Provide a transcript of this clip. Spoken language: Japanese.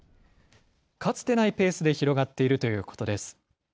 かつてないペースで広がっているということです。